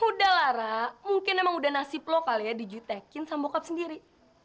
udah lara mungkin emang udah nasib lo kali ya di jutekin sama bokap sendiri